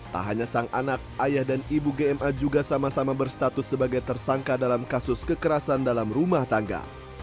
tak hanya sang anak ayah dan ibu gma juga sama sama berstatus sebagai tersangka dalam kasus kekerasan dalam rumah tangga